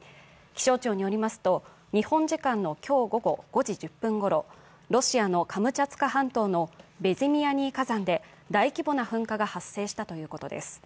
気象庁によりますと、日本時間の今日午後５時１０分ごろ、ロシアのカムチャツカ半島のベズィミアニィ火山で大規模な噴火が発生したということです。